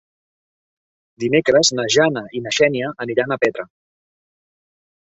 Dimecres na Jana i na Xènia aniran a Petra.